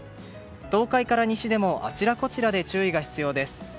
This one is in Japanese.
東海から西でもあちらこちらで注意が必要です。